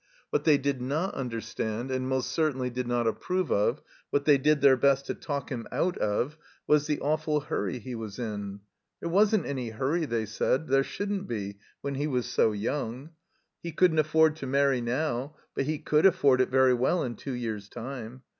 What they did not tmderstand, and most certainly did not approve of, what they did their best to talk him out of, was the awful hurry he was in. There wasn't any hurry, they said, there shouldn't be, when he was so yoimg. He couldn't afford to marry now, but he cotild afford it very well in two years' time.